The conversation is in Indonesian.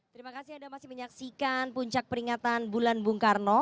terima kasih anda masih menyaksikan puncak peringatan bulan bung karno